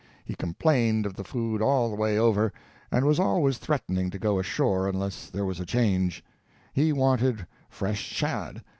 He complained of the food all the way over, and was always threatening to go ashore unless there was a change. He wanted fresh shad.